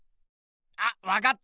あっわかった！